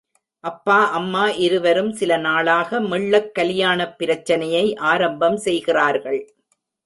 அப்பா அம்மா இருவரும் சில நாளாக மெள்ளக் கலியாணப் பிரச்னையை ஆரம்பம் செய்கிறார்கள்.